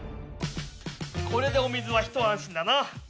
これでお水はひと安心だな。